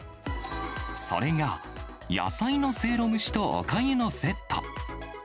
それが、野菜のせいろ蒸しとおかゆのセット。